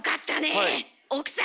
え？